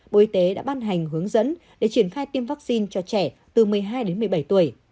bộ y tế đã ban hành hướng dẫn để triển khai tiêm vaccine cho trẻ từ một mươi hai đến một mươi bảy tuổi